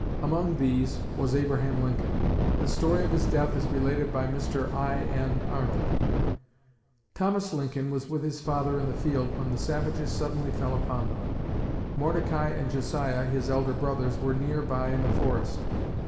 Among these was Abraham Lincoln. The story of his death is related by Mr. I.N. Arnold. "Thomas Lincoln was with his father in the field when the savages suddenly fell upon them. Mordecai and Josiah, his elder brothers, were near by in the forest.